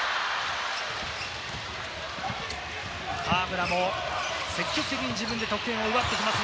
河村も積極的に自分で得点を奪ってきます。